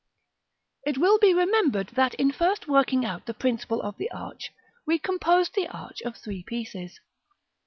§ XIV. It will be remembered that in first working out the principle of the arch, we composed the arch of three pieces.